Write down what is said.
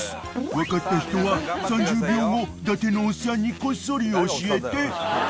［分かった人は３０秒後伊達のおっさんにこっそり教えて］